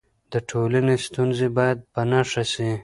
د ټولنې ستونزې باید په نښه سي.